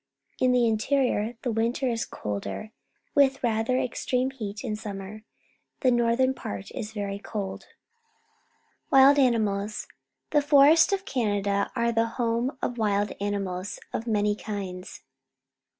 In the interior the winter is colder, with rather extreme heat in summer. The northern part is very cold. Wild Animals. — The forests of Canada are the home of wild animals of many kinds.